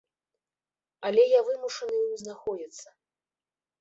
Але я вымушаны ў ім знаходзіцца.